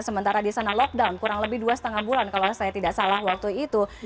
sementara di sana lockdown kurang lebih dua lima bulan kalau saya tidak salah waktu itu